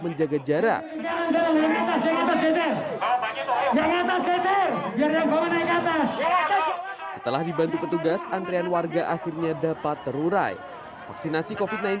menjaga jarak setelah dibantu petugas antrean warga akhirnya dapat terurai vaksinasi kofit